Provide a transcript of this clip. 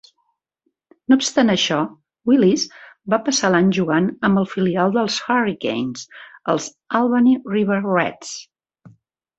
No obstant això, Willis va passar l'any jugant amb el filial dels Hurricanes, els Albany River Rats.